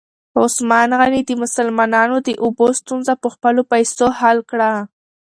عثمان غني د مسلمانانو د اوبو ستونزه په خپلو پیسو حل کړه.